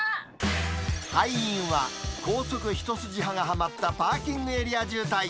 敗因は、高速一筋派がはまったパーキングエリア渋滞。